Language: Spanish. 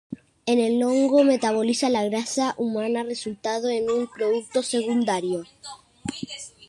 El hongo metaboliza la grasa humana, resultando en un producto secundario.